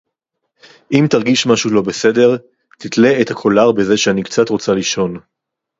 אִם תַרְגִיש מַשֶהוּ לֹא בְּסֵדֶר – תִתְלֶה אֶת הַקוֹלָר בְּזֶה שֶאֲנִי קְצָת רוֹצָה לִישוֹן.